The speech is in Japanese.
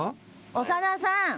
長田さん。